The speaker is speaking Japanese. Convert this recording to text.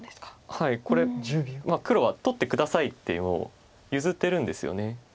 はいこれ「黒は取って下さい」って譲ってるんですよね。